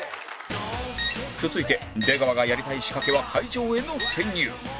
続いて出川がやりたい仕掛けは会場への潜入